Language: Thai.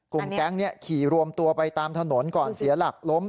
แก๊งขี่รวมตัวไปตามถนนก่อนเสียหลักล้ม